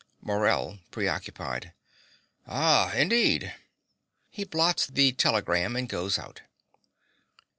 MORELL (preoccupied). Ah, indeed. (He blots the telegram, and goes out.)